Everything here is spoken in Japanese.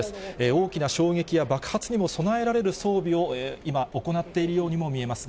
大きな衝撃や爆発にも備えられる装備を今、行っているようにも見えます。